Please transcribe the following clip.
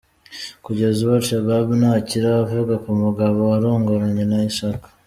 Kugeza ubu al-Shabab ntacyo iravuga ku mugabo warongoranye na Ishaq.